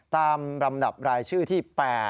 ตามลำดับรายชื่อที่๘